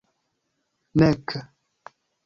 nek